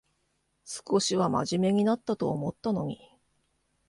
少しはまじめになったと思ったのに